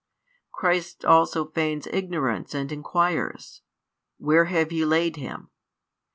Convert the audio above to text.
Christ also feigns ignorance and inquires: Where have ye laid him?